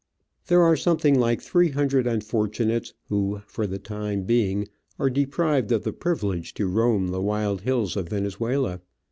There are something like three hundred unfortunates who, for the time being, are deprived of the privilege to roam the wild hills of Venezuela.